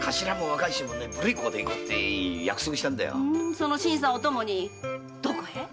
その新さんをお供にどこへ？